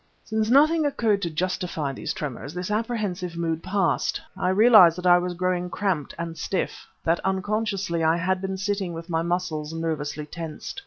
Since nothing occurred to justify these tremors, this apprehensive mood passed; I realized that I was growing cramped and stiff, that unconsciously I had been sitting with my muscles nervously tensed.